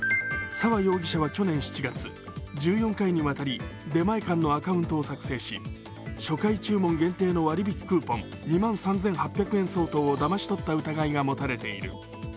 澤容疑者は去年７月、１４回にわたり、出前館のアカウントを作成し初回注文限定の割引クーポン２万３８００円分相当をだまし取った疑いが持たれている。